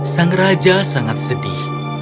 sang raja sangat sedih